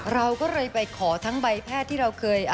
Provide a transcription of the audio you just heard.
เราก็เลยไปขอทั้งใบแพทย์ที่เราเคย